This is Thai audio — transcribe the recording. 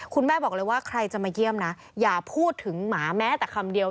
คุณแม่บอกเลยว่าใครจะมาเยี่ยมนะอย่าพูดถึงหมาแม้แต่คำเดียว